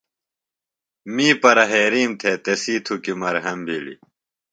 می پرہیرِیم تھےۡ تسی تُھکیۡ مرھم بِھلیۡ۔